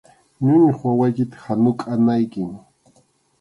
Ñuñuq wawaykita hanukʼanaykim.